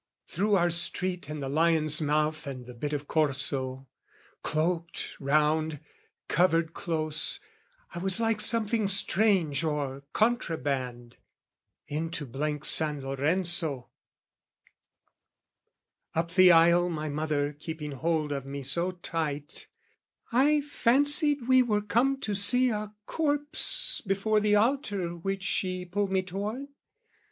through our street and the Lion's mouth And the bit of Corso, cloaked round, covered close, I was like something strange or contraband, Into blank San Lorenzo, up the aisle, My mother keeping hold of me so tight, I fancied we were come to see a corpse Before the altar which she pulled me toward.